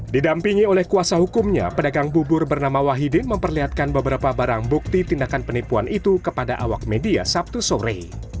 didampingi oleh kuasa hukumnya pedagang bubur bernama wahidin memperlihatkan beberapa barang bukti tindakan penipuan itu kepada awak media sabtu sore